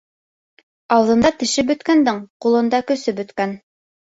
Ауыҙында теше бөткәндең ҡулында көсө бөткән.